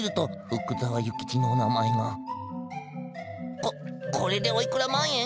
ここれでおいくら万円？